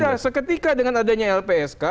ya seketika dengan adanya lpsk